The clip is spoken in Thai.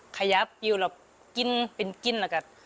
ขยะปิวแล้วกินเป็นกินแล้วก็